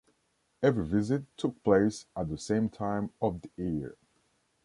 Every visit took place at the same time of the year.